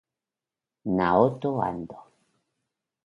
Naoto Ando